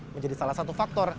menjadi salah satu faktor